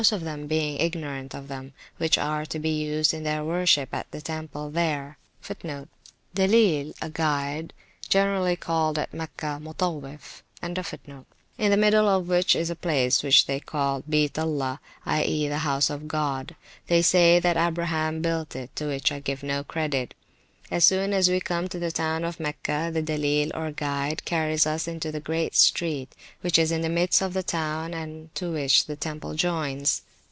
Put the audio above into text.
362] of them being ignorant of them) which are to be used in their worship at the temple there; in the middle of which is a place which they call Beat Allah, i.e. the House of God. They say that Abraham built it; to which I give no credit. As soon as we come to the town of Mecca, the Dilleel, or guide, carries us into the great street, which is in the midst of the town, and to which the temple joins.